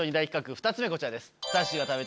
２つ目はこちらです。